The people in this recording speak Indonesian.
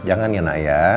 jangan ya nak ya